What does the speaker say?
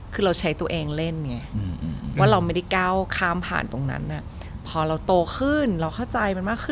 คือเราใช้ตัวเองเล่นไงว่าเราไม่ได้ก้าวข้ามผ่านตรงนั้นพอเราโตขึ้นเราเข้าใจมันมากขึ้น